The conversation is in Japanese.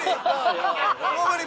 もう無理？